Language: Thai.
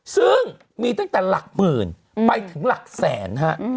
ซึ่งมีตั้งแต่หลักหมื่นไปถึงหลักแสนฮะ